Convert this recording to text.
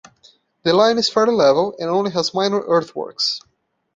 The line is fairly level and has only minor earthworks.